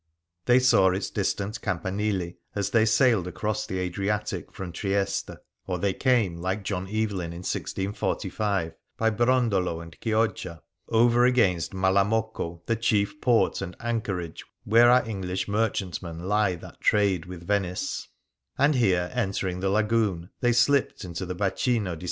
They saw its distant campanili as they sailed across the Adriatic from Trieste ; or they came, like John Evelyn in 1645, by Brondolo and Chioggia, 17 B Things Seen in Venice '' over against Malamocco, the chief port and ankerage where our EngHsh merchantmen lie that trade with Venice"; and here, entering the lagoon, they slipped into the Bacino di S.